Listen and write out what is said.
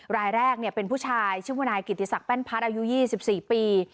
รายแรกเนี่ยเป็นผู้ชายชื่อผู้นายกิติศักดิ์แป้นพัดอายุยี่สิบสี่ปี